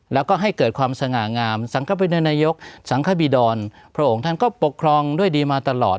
แล้วก็ให้เกิดความสง่างามสังคปินนายกสังคบีดรพระองค์ท่านก็ปกครองด้วยดีมาตลอด